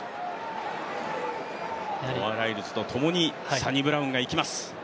ノア・ライルズとともにサニブラウンがいきます。